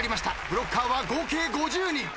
ブロッカーは合計５０人。